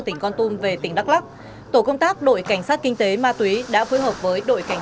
tỉnh con tum về tỉnh đắk lắc tổ công tác đội cảnh sát kinh tế ma túy đã phối hợp với đội cảnh